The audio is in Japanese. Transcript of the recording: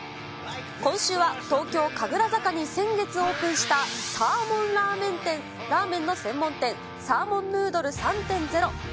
今週は東京・神楽坂に先月オープンしたサーモンラーメンの専門店、サーモンヌードル３．０。